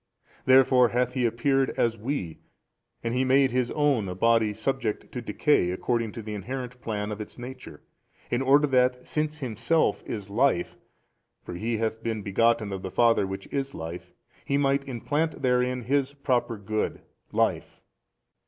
Therefore hath He appeared as we and He made His own a body subject to decay according to the inherent plan of its nature, in order that since Himself is Life (for He hath been begotten of the Father Which is Life) He might implant therein His Proper Good, life.